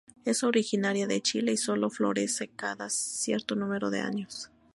Es originaria de Chile y solo florece cada cierto número de años.